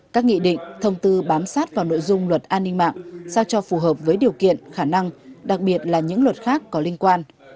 các nghị định thông tư bám sát vào nội dung luật an ninh mạng sao cho phù hợp với điều kiện khả năng đặc biệt là những luật khác có liên quan